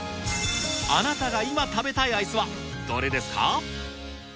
あなたが今食べたいアイスは、どれですか？